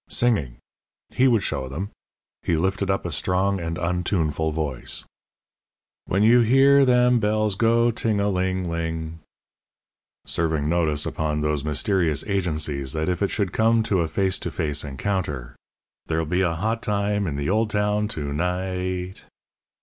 Singing! He would show them! He lifted up a strong and untuneful voice: "When you hear them bells go tingalingling," serving notice upon those mysterious agencies that if it should come to a face to face encounter "There'll be a hot time In the old town To night!"